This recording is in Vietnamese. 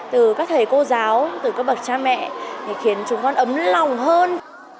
từ các thầy cô giáo từ các bậc cha mẹ khiến chúng con ấm lòng hơn